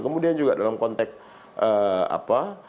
kemudian juga dalam konteks apa